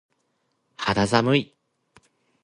肌寒い。